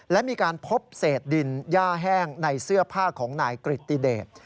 และมีการพบเศษดินย่าแห้งในเสื้อผ้าของนายกริติเดช